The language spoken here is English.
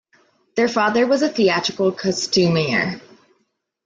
Their father was a theatrical costumier.